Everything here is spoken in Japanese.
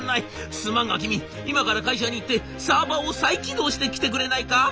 すまんが君今から会社に行ってサーバーを再起動してきてくれないか？」。